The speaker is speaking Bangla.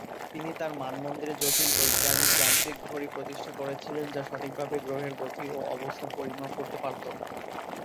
তিনি তাঁর মানমন্দিরে জ্যোতির্বৈজ্ঞানিক যান্ত্রিক ঘড়ি প্রতিষ্ঠা করেছিলেন যা সঠিকভাবে গ্রহের গতি ও অবস্থান পরিমাপ করতে পারত।